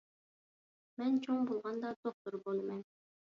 مەن چوڭ بولغاندا دوختۇر بولىمەن.